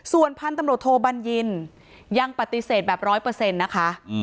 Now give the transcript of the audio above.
ส่วนพันธุ์ตำรวจโทบัญญินยังปฏิเสธแบบร้อยเปอร์เซ็นต์นะคะ